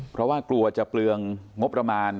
เพราะว่ากลัวจะเปลืองงบประมาณ